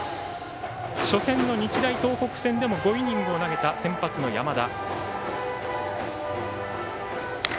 初戦の日大東北戦でも５イニングを投げた先発の山田。